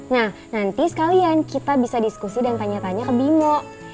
nah nanti sekalian kita bisa diskusi dan tanya tanya ke bimo